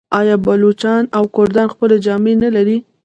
آیا بلوڅان او کردان خپلې جامې نلري؟